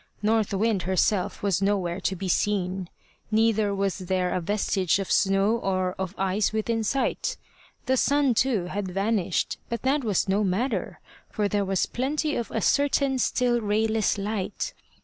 North Wind herself was nowhere to be seen. Neither was there a vestige of snow or of ice within sight. The sun too had vanished; but that was no matter, for there was plenty of a certain still rayless light.